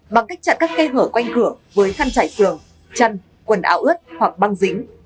bằng cách chặn các cây hở quanh cửa với khăn chải sườn chăn quần áo ướt hoặc băng dính